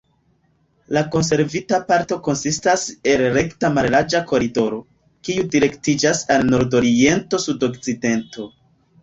La konservita parto konsistas el rekta mallarĝa koridoro, kiu direktiĝas al nordoriento-sudokcidento.